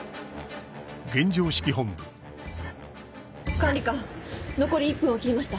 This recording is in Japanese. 管理官残り１分を切りました。